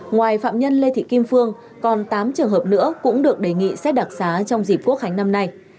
ngoài phạm nhân lê thị kim phương còn tám trường hợp nữa cũng được đề nghị xét đặc xá trong dịp quốc khánh năm nay